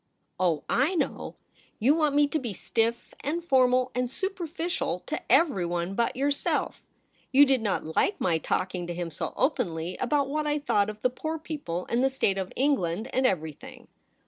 ' Oh, I know ! You want me to be stiff and formal and superficial to everyone but yourself. You did not like my talking to him so openly about what I thought of the poor people and the state of England — and everything.